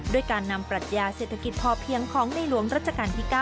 ด้วยการนำปรัชญาเศรษฐกิจพอเพียงของในหลวงรัชกาลที่๙